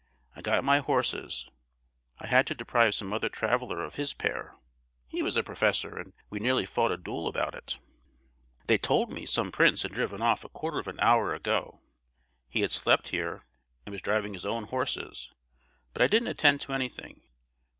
I got my horses—I had to deprive some other traveller of his pair; he was a professor, and we nearly fought a duel about it. "They told me some prince had driven off a quarter of an hour ago. He had slept here, and was driving his own horses; but I didn't attend to anything.